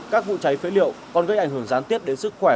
các vụ cháy phế liệu còn gây ảnh hưởng gián tiếp đến sức khỏe